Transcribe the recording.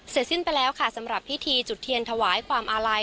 สิ้นไปแล้วค่ะสำหรับพิธีจุดเทียนถวายความอาลัย